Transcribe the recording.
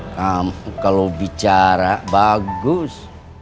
kamu kalau bicara bagus